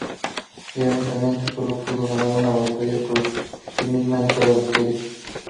Irónicamente solo pudo ganar una batalla por sí misma en toda la serie.